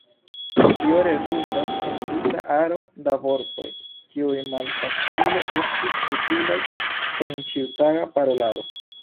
Tio rezultas en disa aro da vortoj kiuj malfacile estus utilaj en ĉiutaga parolado.